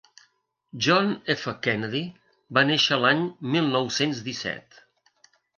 John F. Kennedy va néixer l'any mil nou-cents disset.